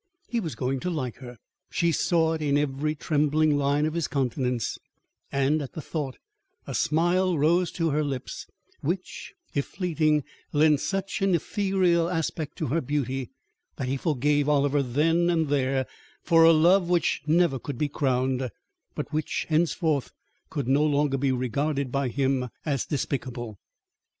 He was going to like her; she saw it in every trembling line of his countenance, and at the thought a smile rose to her lips which, if fleeting, lent such an ethereal aspect to her beauty that he forgave Oliver then and there for a love which never could be crowned, but which henceforth could no longer be regarded by him as despicable.